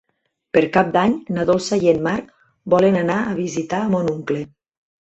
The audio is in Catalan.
Per Cap d'Any na Dolça i en Marc volen anar a visitar mon oncle.